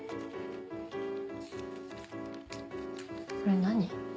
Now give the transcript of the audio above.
これ何？